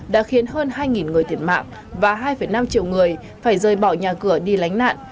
đã khiến hơn hai người thiệt mạng và hai năm triệu người phải rời bỏ nhà cửa đi lánh nạn